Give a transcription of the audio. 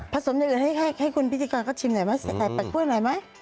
ผสมอย่างอื่นให้คุณพิธีกรก็ชิมหน่อยแปลกพูดหน่อยไหม